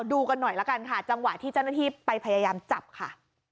ดูกันหน่อยละกันค่ะจังหวะที่เจ้าหน้าที่ไปพยายามจับค่ะ